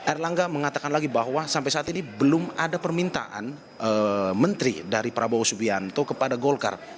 erlangga mengatakan lagi bahwa sampai saat ini belum ada permintaan menteri dari prabowo subianto kepada golkar